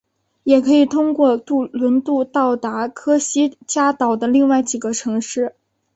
也可以通过轮渡到达科西嘉岛的另外几个城市。